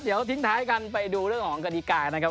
เดี๋ยวทิ้งท้ายกันไปดูเรื่องของกฎิกานะครับ